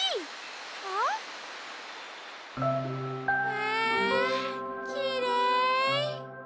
わきれい。